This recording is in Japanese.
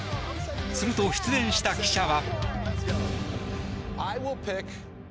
すると、出演した記者は。